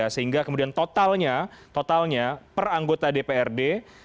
sehingga kemudian totalnya totalnya per anggota dprd